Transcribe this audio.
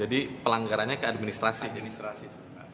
jadi pelanggarannya ke administrasi